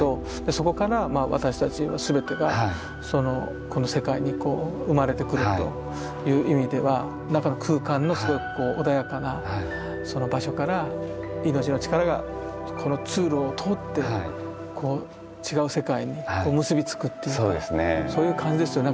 そこから私たち全てがこの世界にこう生まれてくるという意味では中の空間のすごくこう穏やかな場所から命の力がこの通路を通って違う世界に結び付くっていうかそういう感じですよね。